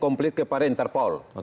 komplit kepada interpol